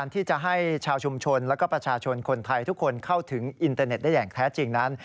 ที่จะให้ชาวชุมชนและประชาชนคนไทยทุกคนเข้าถึงอินเตอร์เน็ตได้อย่างแท้จริงนั้น